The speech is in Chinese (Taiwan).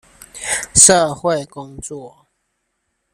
社會工作